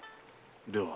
では。